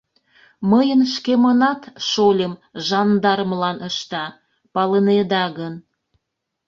Мыйын шкемынат шольым жандармлан ышта... палынеда гын...